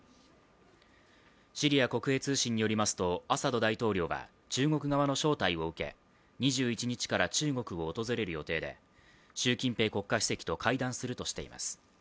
シリア国営通信によりますと、アサド大統領は中国側の招待を受け、２１日から中国を訪れる予定で習近平国家主席と会談するとしています。